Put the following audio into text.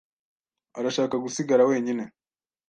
arashaka gusigara wenyine.